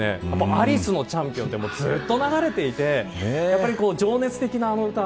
アリスのチャンピオンってずっと流れていて情熱的なあの歌。